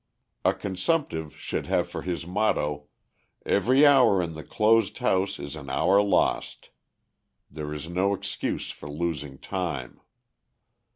A consumptive should have for his motto: 'Every hour in the closed house is an hour lost.' There is no excuse for losing time."